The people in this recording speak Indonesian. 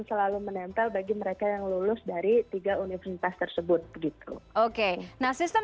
selalu menempel bagi mereka yang lulus dari tiga universitas tersebut gitu oke nah sistem